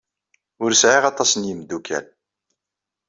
Ur sɛiɣ aṭas n yimeddukal.